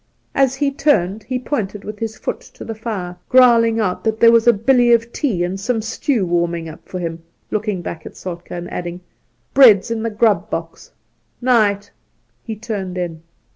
As he turned, he pointed with his foot to the fire, growling out that there was a billy of tea and some stew warmed up ' for him ' (looking back at Soltk^), and adding, ' Bread's in the grub box. 'Night 1' he turned in.